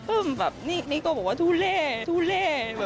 อืมแบบนี่ก็บอกว่าทุเร่ทุเร่